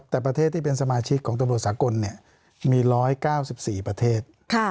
แต่ประเทศที่เป็นสมาชิกของตำรวจสากลมี๑๙๔ประเทศ